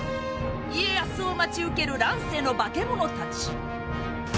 家康を待ち受ける乱世の化け物たち。